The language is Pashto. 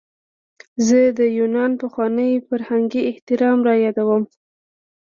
زه د یونان پخوانی فرهنګي احترام رایادوم.